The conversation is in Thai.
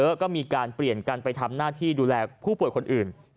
แล้วก็มีการเปลี่ยนกันไปทำหน้าที่ดูแลผู้ป่วยคนอื่น